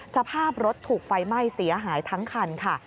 สภาพรถถูกไฟไหม้เสียหายทั้งคันค่ะ